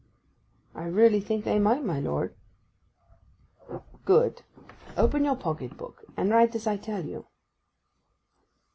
'I really think they might, my lord.' 'Good. Open your pocket book and write as I tell you.